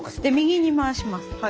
で右に回します。